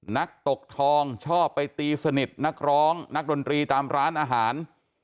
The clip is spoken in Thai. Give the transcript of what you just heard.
นักตกทองชอบไปตีสนิทนักร้องนักดนตรีตามร้านอาหาร